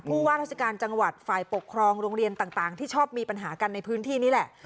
ว่าราชการจังหวัดฝ่ายปกครองโรงเรียนต่างที่ชอบมีปัญหากันในพื้นที่นี่แหละ